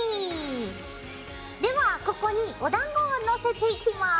ではここにおだんごを載せていきます。